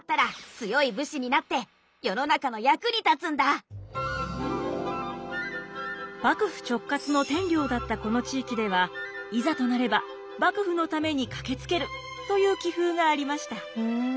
大きくなったら幕府直轄の天領だったこの地域ではいざとなれば幕府のために駆けつけるという気風がありました。